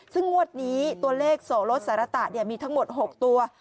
ซึ่งงวดนี้ตัวเลขโสลดสารตะมีทั้งหมด๖ตัว